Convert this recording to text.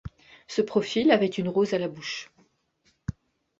Ce profil avait une rose à la bouche.